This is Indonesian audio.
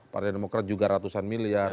partai demokrat juga ratusan miliar